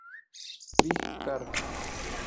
Big Carl.